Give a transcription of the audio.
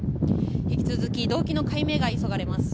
引き続き動機の解明が急がれます。